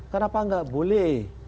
kenapa enggak boleh